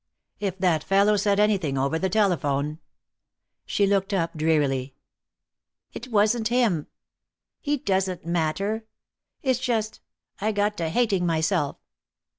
"If that fellow said anything over the telephone !" She looked up drearily. "It wasn't him. He doesn't matter. It's just I got to hating myself."